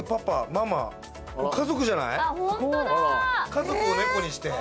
家族を猫にして。